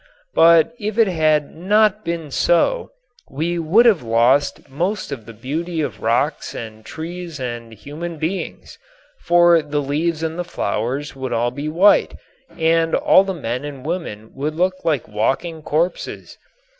But if it had not been so we would have lost most of the beauty of rocks and trees and human beings. For the leaves and the flowers would all be white, and all the men and women would look like walking corpses.